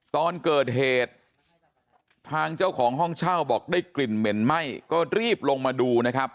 ตอนเกิดเหตุทางเจ้าของห้องเช่าบอกได้กลิ่นเหม็นไหม้ก็รีบลงมาดูนะครับ